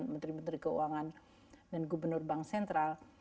menteri menteri keuangan dan gubernur bank sentral